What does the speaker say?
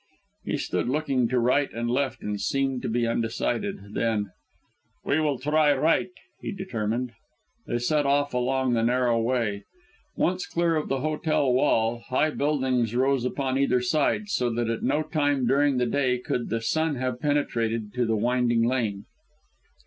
He stood looking to right and left, and seemed to be undecided. Then: "We will try right," he determined. They set off along the narrow way. Once clear of the hotel wall, high buildings rose upon either side, so that at no time during the day could the sun have penetrated to the winding lane.